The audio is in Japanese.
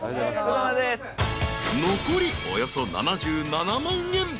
［残りおよそ７７万円］